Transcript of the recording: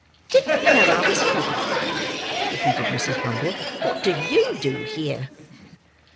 "Didn't know I was here!" repeated Mrs. Bumble. "What do you do here?"